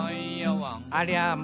「ありゃま！